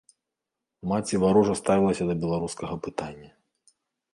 Маці варожа ставілася да беларускага пытання.